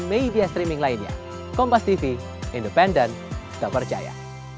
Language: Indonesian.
media streaming lainnya kompas tv independen terpercaya